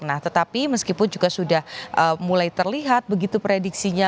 nah tetapi meskipun juga sudah mulai terlihat begitu prediksinya